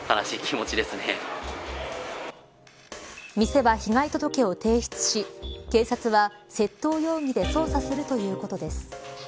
店は被害届を提出し警察は窃盗容疑で捜査するということです